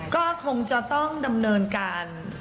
ก็คงจะต้องดำเนินการ